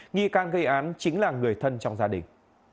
nghi can gây án chính là người thân trong gia đình